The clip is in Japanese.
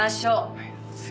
はい。